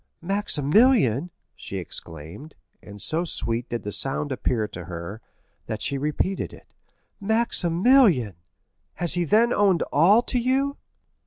"Maximilian!" she exclaimed, and so sweet did the sound appear to her, that she repeated it—"Maximilian!—has he then owned all to you?"